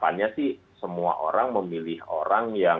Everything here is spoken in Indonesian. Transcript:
harapannya sih semua orang memilih orang yang